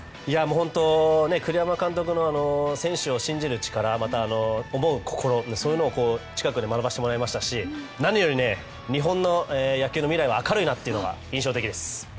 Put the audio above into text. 本当、栗山監督の選手を信じる力また、思う心、そういうのを近くで学ばせてもらいましたし何より、日本の野球の未来は明るいなというのが印象的です。